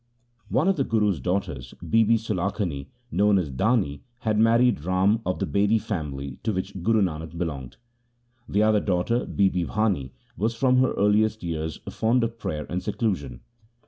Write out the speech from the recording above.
One of the Guru's daughters, Bibi Sulakhani, known as Dani, had married Rama of the Bedi family to which Guru Nanak belonged. The other daughter, Bibi Bhani, was from her earliest years fond of prayer and seclusion.